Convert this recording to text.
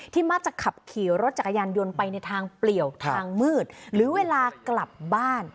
มักจะขับขี่รถจักรยานยนต์ไปในทางเปลี่ยวทางมืดหรือเวลากลับบ้าน